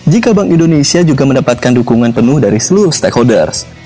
jika bank indonesia juga mendapatkan dukungan penuh dari seluruh stakeholders